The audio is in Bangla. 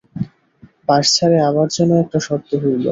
বাঁশঝাড়ে আবার যেন একটা শব্দ হইল।